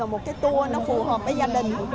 một cái tour nó phù hợp với gia đình